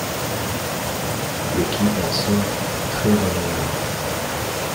L'équipe en sort très remaniée.